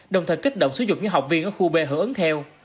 đồng thời kích động xúi dục những học viên ở khu b hưởng ứng theo